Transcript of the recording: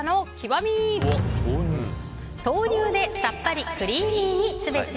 豆乳でさっぱりクリーミーにすべし。